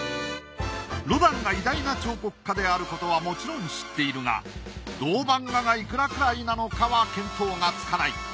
ロダンが偉大な彫刻家であることはもちろん知っているが銅版画がいくらくらいなのかは見当がつかない。